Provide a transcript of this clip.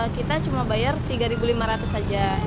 kita cuma bayar rp tiga lima ratus saja